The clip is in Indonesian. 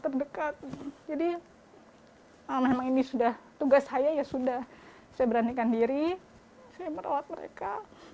terdekat jadi memang ini sudah tugas saya ya sudah saya beranikan diri saya merawat mereka